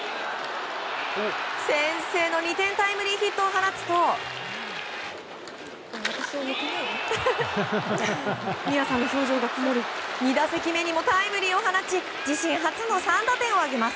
先制の２点タイムリーヒットを放つと２打席目にもタイムリーを放ち自身初の３打点を挙げます。